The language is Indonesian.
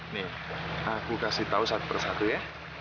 nih aku kasih tahu satu persatu ya